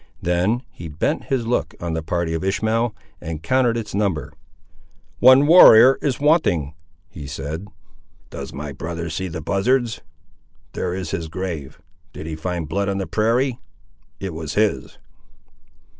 Then he bent his look on the party of Ishmael, and counted its number. "One warrior is wanting," he said. "Does my brother see the buzzards? there is his grave. Did he find blood on the prairie? It was his."